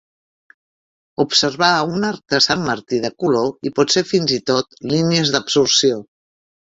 Observà un arc de Sant-Martí de color, i potser fins i tot línies d'absorció.